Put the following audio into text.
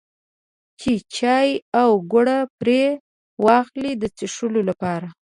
چې چای او ګوړه پرې واخلي د څښلو لپاره.